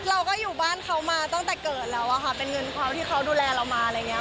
เราก็อยู่บ้านเขามาตั้งแต่เกิดแล้วอะค่ะเป็นเงินเขาที่เขาดูแลเรามาอะไรอย่างเงี้